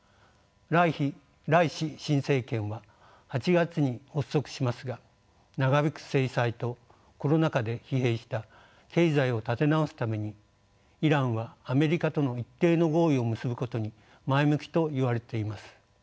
ライシ新政権は８月に発足しますが長引く制裁とコロナ禍で疲弊した経済を立て直すためにイランはアメリカとの一定の合意を結ぶことに前向きといわれています。